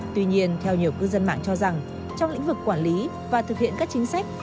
tuy nhiên theo nhiều cư dân mạng cho rằng trong lĩnh vực quản lý và thực hiện các chính sách